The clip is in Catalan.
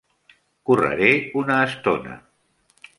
Correré una estona.